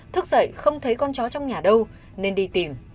thức dậy không thấy con chó trong nhà đâu nên đi tìm